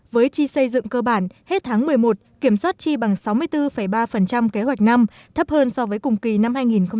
với chi xây dựng cơ bản hết tháng một mươi một kiểm soát chi bằng sáu mươi bốn ba kế hoạch năm thấp hơn so với cùng kỳ năm hai nghìn một mươi tám